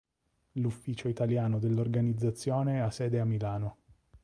L'ufficio italiano dell'organizzazione ha sede a Milano.